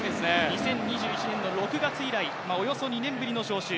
２０２１年の６月以来、およそ２年ぶりの招集。